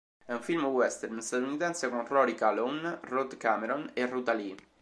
È un film western statunitense con Rory Calhoun, Rod Cameron e Ruta Lee.